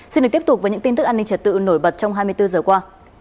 xin được tiếp tục với những tin tức an ninh trật tự nổi bật trong hai mươi bốn giờ qua